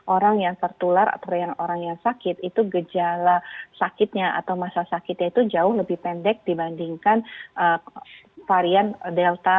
orang yang tertular atau orang yang sakit itu gejala sakitnya atau masa sakitnya itu jauh lebih pendek dibandingkan varian delta